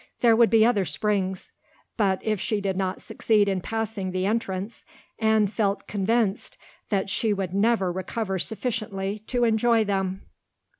There would be other springs, but if she did not succeed in passing the Entrance, Anne felt convinced that she would never recover sufficiently to enjoy them.